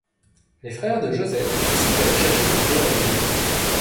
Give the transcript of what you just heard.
Les frères de Joseph décident d'aller chercher du blé en Égypte.